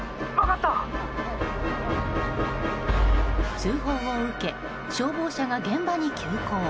通報を受け消防車が現場に急行。